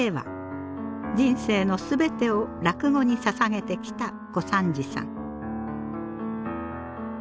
人生の全てを落語にささげてきた小三治さん。